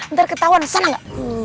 ntar ketauan sana gak